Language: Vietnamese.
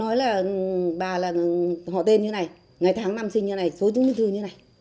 nói là bà là họ tên như này ngày tháng năm sinh như này số chứng minh thư như này